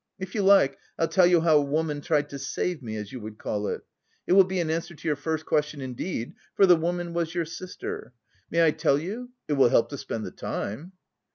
If you like I'll tell you how a woman tried 'to save' me, as you would call it? It will be an answer to your first question indeed, for the woman was your sister. May I tell you? It will help to spend the time."